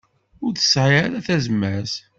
Ur tesɛi ara tazmert.